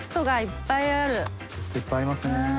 ソフトいっぱいありますね。